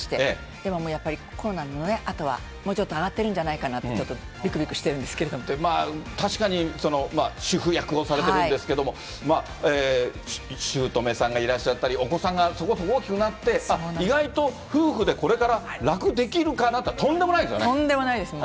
でもやっぱり、コロナのあとはもうちょっと上がってるんじゃないかなって、ちょっとびくびくしてるんまあ、確かに主婦役をされてるんですけども、しゅうとめさんがいらっしゃったり、お子さんがそこそこ大きくなって、意外と夫婦でこれから楽できるかなと思った、とんでもないですよね。